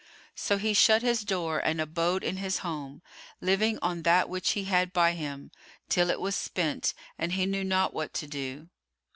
So he shut his door and abode in his home, living on that which he had by him, till it was spent and he knew not what to do.